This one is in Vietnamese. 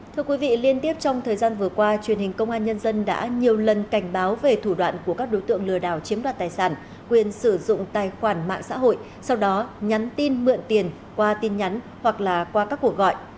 thưa quý vị liên tiếp trong thời gian vừa qua truyền hình công an nhân dân đã nhiều lần cảnh báo về thủ đoạn của các đối tượng lừa đảo chiếm đoạt tài sản quyền sử dụng tài khoản mạng xã hội sau đó nhắn tin mượn tiền qua tin nhắn hoặc là qua các cuộc gọi